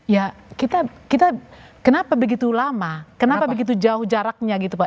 ya kita kenapa begitu lama kenapa begitu jauh jaraknya gitu pak